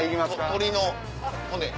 鶏の骨。